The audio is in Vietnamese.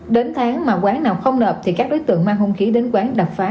đến tháng mà quán nào không nợp thì các đối tượng mang hung khí đến quán đập phá